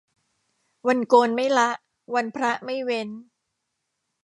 วันโกนไม่ละวันพระไม่เว้น